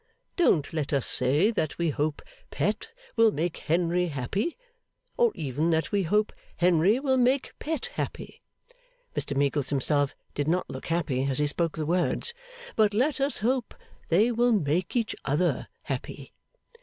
Don't let us say that we hope Pet will make Henry happy, or even that we hope Henry will make Pet happy,' (Mr Meagles himself did not look happy as he spoke the words,) 'but let us hope they will make each other happy.